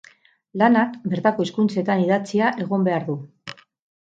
Lanak bertako hizkuntzetan idatzia egon behar du.